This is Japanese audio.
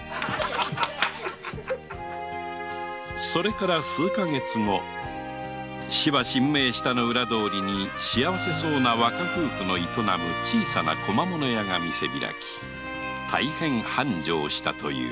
それから数か月後芝神明下の裏通りに幸せそうな若夫婦が営む小さな小間物屋が店開きし大変繁盛したという